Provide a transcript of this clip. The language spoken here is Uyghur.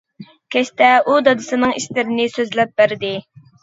كەچتە ئۇ دادىسىنىڭ ئىشلىرىنى سۆزلەپ بەردى.